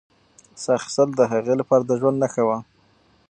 ساه اخیستل د هغې لپاره د ژوند نښه وه.